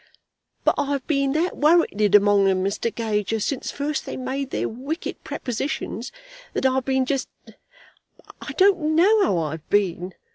"But I've been that worrited among 'em, Mr. Gager, since first they made their wicked prepositions, that I've been jest I don't know how I've been.